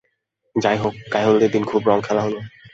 যাই হোক, গায়ে হলুদের দিন খুব রঙ খেলা হলো।